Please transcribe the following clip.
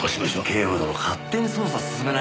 警部殿勝手に捜査進めないでください。